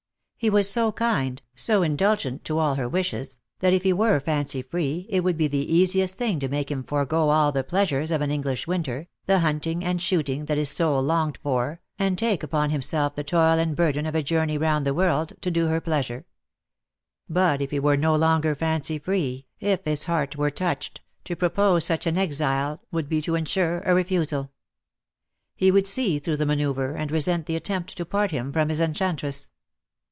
He was so kind, so indulgent to all her wishes, that if he were fancy free it would be the easiest thing to make him forego all the plea sures of an English winter, the hunting and shooting that his soul longed for, and take upon himself the toil and burden of a journey round the world, to do her pleasure. But if he were no longer fancy free, if his heart were touched, to pro pose such an exile would be to ensure a re fusal. He would see through the manoeuvre, and resent the attempt to part him from his enchantress.